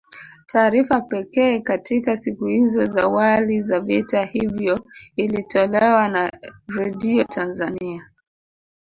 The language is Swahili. Taarifa pekee katika siku hizo za wali za vita hivyo ilitolewa na Redio Tanzania